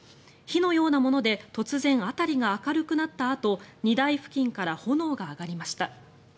火のようなもので突然、辺りが明るくなったあと荷台付近から炎が上がりました。